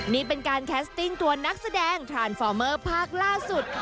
นี่เป็นการแคสติ้งตัวนักแสดงทรานฟอร์เมอร์ภาคล่าสุด